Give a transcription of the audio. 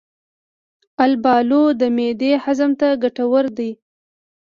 البالو د معدې هضم ته ګټوره ده.